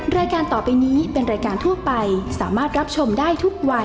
รายการต่อไปนี้เป็นรายการทั่วไปสามารถรับชมได้ทุกวัย